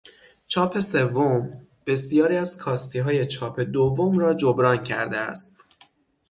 چاپ سوم بسیاری از کاستیهای چاپ دوم را جبران کرده است.